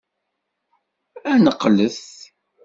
Ad neqqlet!